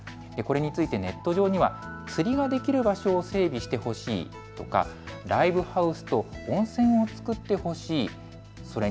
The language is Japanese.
これについてネット上には釣りができる場所を整備してほしいとかライブハウスと温泉を作ってほしい。